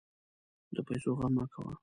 د پیسو غم مه کوه.